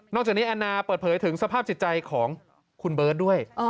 จากนี้แอนนาเปิดเผยถึงสภาพจิตใจของคุณเบิร์ตด้วย